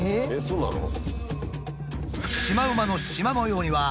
そうなの？